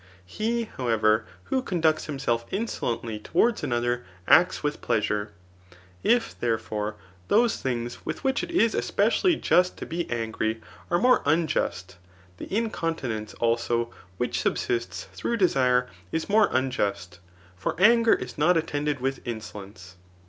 He, however, who conducts himself insolently towards another, acts with pleasure. If, therefore, those things with which it is especially just to be angry are more unjust, the inconti nence, also, which sub^sts through desire is more un just ; for anger is not attended with insolence.